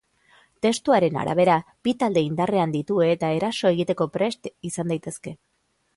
Testuaren arabera, bi talde indarrean ditu eta eraso egiteko prest izan daitezke.